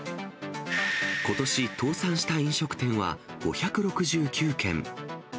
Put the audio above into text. ことし倒産した飲食店は５６９件。